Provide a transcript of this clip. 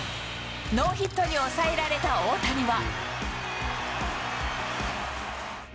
ノーヒットに抑えられた大谷は。